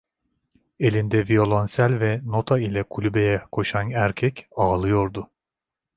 Elinde viyolonsel ve nota ile kulübeye koşan erkek, ağlıyordu.